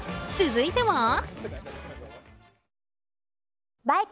続いては。